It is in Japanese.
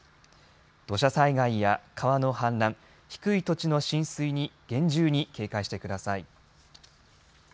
土砂災害や川の氾濫、低い土地の浸水に厳重に警戒してください。